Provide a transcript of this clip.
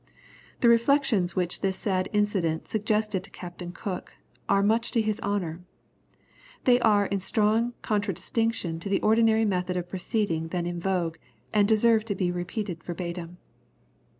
The reflections which this sad incident suggested to Captain Cook, are much to his honour. They are in strong contradistinction to the ordinary method of proceeding then in vogue, and deserve to be repeated verbatim.